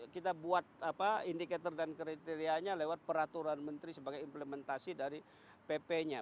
kita buat indikator dan kriterianya lewat peraturan menteri sebagai implementasi dari pp nya